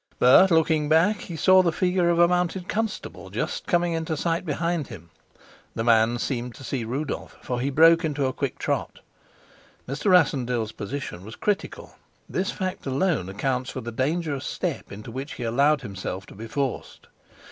But, looking back, he saw the figure of a mounted constable just coming into sight behind him. The man seemed to see Rudolf, for he broke into a quick trot. Mr. Rassendyll's position was critical; this fact alone accounts for the dangerous step into which he allowed himself to be forced.